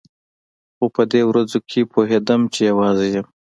خو په دې ورځو کښې پوهېدم چې يوازې يم.